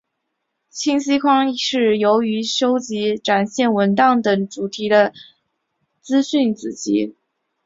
信息框是由于收集展现文档等主题的资讯子集。